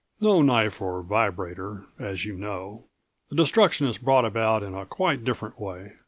No knife or vibrator, as you know. The destruction is brought about in a quite different way.